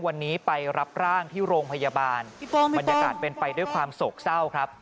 วันนี้ไปรับร่างที่โรงพยาบาลบรรยากาศเป็นไปด้วยความโศกเศร้าครับ